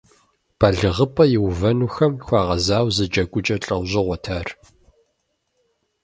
Балигъыпӏэ иувэнухэм хуэгъэзауэ зы джэгукӀэ лӀэужьыгъуэт ар.